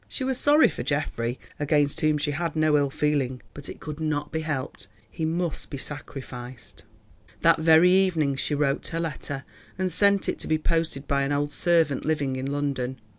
She was sorry for Geoffrey, against whom she had no ill feeling, but it could not be helped; he must be sacrificed. That very evening she wrote her letter and sent it to be posted by an old servant living in London.